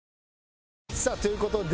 さあという事で。